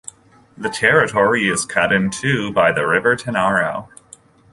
The territory is cut in two by the river Tanaro.